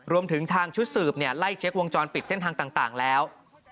รวมถึงทางชุดสืบไล่เช็ควงจรปิดเส้นทางต่างแล้ว